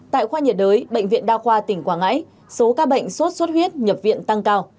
tại khoa nhiệt đới bệnh viện đa khoa tỉnh quảng ngãi số ca bệnh sốt xuất huyết nhập viện tăng cao